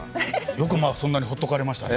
よくまあ、そんなにほっとかれましたね。